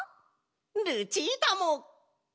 ルチータも！